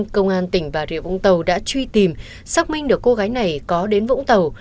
công an tỉnh bà rịa vũng tàu đã truy tìm xác minh được cô gái này có đến vũng tàu